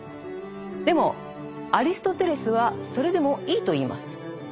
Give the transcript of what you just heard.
でもアリストテレスはそれでもいいと言います。